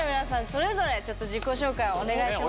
それぞれちょっと自己紹介をお願いします。